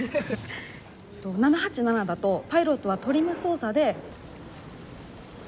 ７８７だとパイロットはトリム操作で。